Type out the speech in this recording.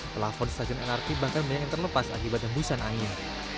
pelafon stasiun lrt bahkan banyak yang terlepas akibat hembusan angin